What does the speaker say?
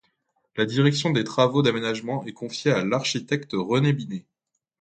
La direction des travaux d'aménagement est confiée à l’architecte René Binet.